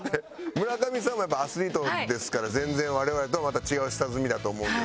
村上さんはやっぱアスリートですから全然我々とはまた違う下積みだと思うんですけど。